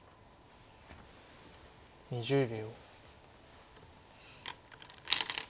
２０秒。